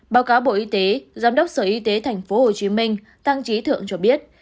báo cáo bộ y tế giám đốc sở y tế tp hcm tăng trí thượng cho biết